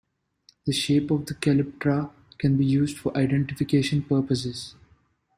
The shape of the calyptra can be used for identification purposes.